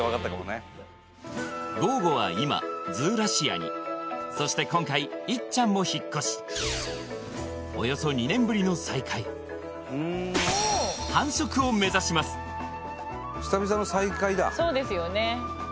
ゴーゴは今ズーラシアにそして今回イッちゃんも引っ越しおよそ２年ぶりの再会そうですよね